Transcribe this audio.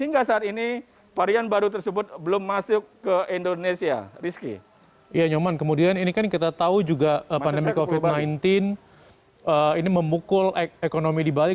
iya nyoman kemudian ini kan kita tahu juga pandemi covid sembilan belas ini memukul ekonomi di bali